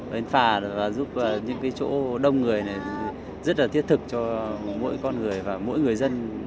bến phà và giúp những chỗ đông người rất thiết thực cho mỗi con người và mỗi người dân